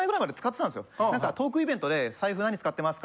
何かトークイベントで「財布何使ってますか？」